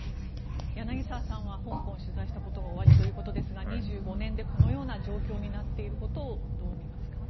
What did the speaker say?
柳澤さんは香港を取材したことがおありということですが２５年でこのような状況になっていることをどうみますか？